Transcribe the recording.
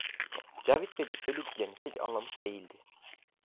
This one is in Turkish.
Cavit Bey de söylediklerini pek anlamış değildi.